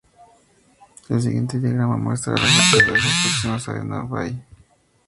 El siguiente diagrama muestra a las localidades más próximas a Edna Bay.